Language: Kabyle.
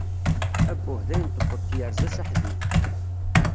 Abbuh dayen tewweḍ tyerza s aḥdid.